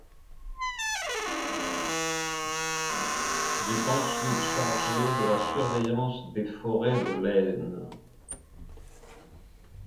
Il est ensuite chargé de la surveillance des forêts de l'Aisne.